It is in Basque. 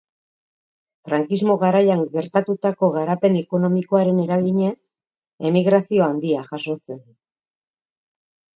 Frankismo garaian gertatutako garapen ekonomikoaren eraginez, emigrazio handia jazo zen.